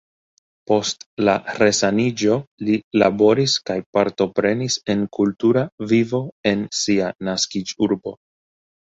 Post la resaniĝo li laboris kaj partoprenis en kultura vivo en sia naskiĝurbo.